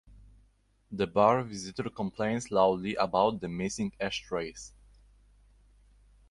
The bar visitor complains loudly about the missing ashtrays.